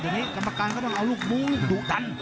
เดี๋ยวนี้กรรมการก็ต้องเอาลูกมูดุดัน